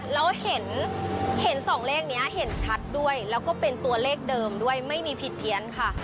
แล้วเห็นสองเลขนี้เห็นชัดด้วยแล้วก็เป็นตัวเลขเดิมด้วยไม่มีผิดเพี้ยนค่ะ